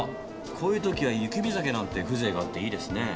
こういうときは雪見酒なんて風情があっていいですね。